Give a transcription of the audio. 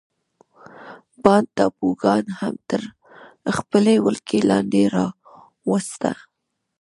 بانډا ټاپوګان هم تر خپلې ولکې لاندې راوسته.